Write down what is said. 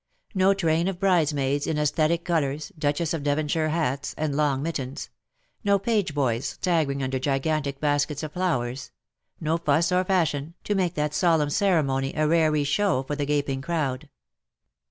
No train o£ bridesmaids in sesthetic colours, Duchess of Devonshire hats, and long mittens — no page boys, staggering under gigantic baskets of flowers — no fuss or fashion, ta make that solemn ceremony a raree show for the gaping crowd.